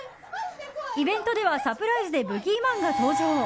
イベントではサプライズでブギーマンが登場。